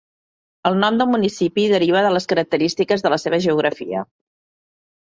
El nom del municipi deriva de les característiques de la seva geografia.